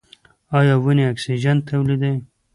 ایا ونې اکسیجن تولیدوي؟